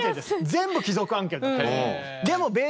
全部貴族案件だったんです。